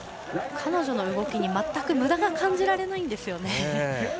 彼女の動きに全くむだが感じられないんですよね。